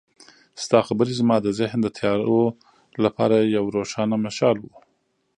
ستا خبرې زما د ذهن د تیارو لپاره یو روښانه مشال و.